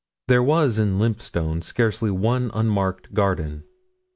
There was in Lymphstone scarcely one unmarked garden.